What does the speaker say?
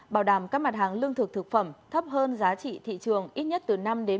bảo đảm các mặt hàng lương thực thực phẩm thấp hơn giá trị thị trường ít nhất từ năm một mươi